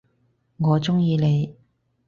我中意你！